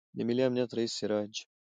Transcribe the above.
د ملي امنیت رئیس سراج